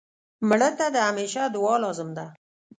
مړه ته د همېشه دعا لازم ده